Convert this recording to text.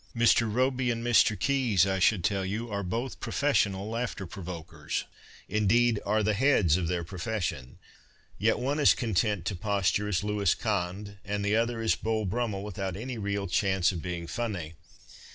Mr. Robey and Mr. Keys, I should tell you, are both professional laughter provokers, indeed are the heads of their profession, yet one is content to posture as Louis Quinze and the other as Beau Brummell with out any real chance of being funny.